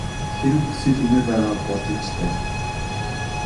Хэрэв бүсгүй тэгмээр байгаа бол тэгж л байг.